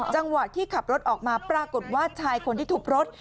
จังหวะที่ขับรถออกมาปรากฏว่าชายคนที่ทุบรถ